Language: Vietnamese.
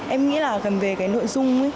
em nghĩ là cần về cái nội dung